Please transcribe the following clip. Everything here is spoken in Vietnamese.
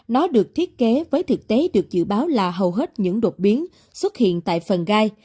nó được thiết kế với thực tế được dự báo là hầu hết những đột biến xuất hiện tại phần gai